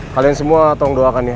kalian semua tolong doakan ya